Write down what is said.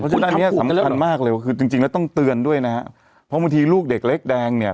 ซึ่งอันเนี้ยสำคัญมากเลยว่าคือจริงจริงแล้วต้องเตือนด้วยนะฮะเพราะบางทีลูกเด็กเล็กแดงเนี่ย